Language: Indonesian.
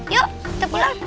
yuk kita pulang